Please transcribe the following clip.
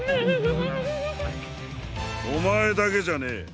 おまえだけじゃねえ。